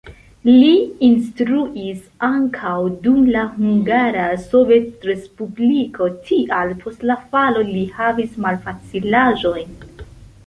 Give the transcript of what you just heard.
Li instruis ankaŭ dum la Hungara Sovetrespubliko, tial post la falo li havis malfacilaĵojn.